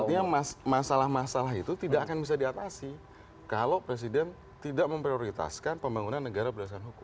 artinya masalah masalah itu tidak akan bisa diatasi kalau presiden tidak memprioritaskan pembangunan negara berdasarkan hukum